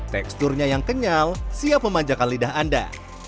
teksturnya yang kenyal siap memanjakan lidah anda